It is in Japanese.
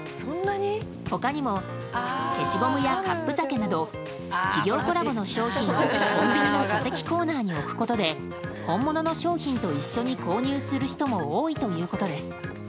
他にも、消しゴムやカップ酒など企業コラボの商品をコンビニの書籍コーナーに置くことで本物の商品と一緒に購入する人も多いということです。